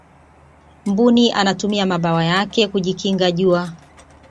mbuni anatumia mabawa hayo kujikinga jua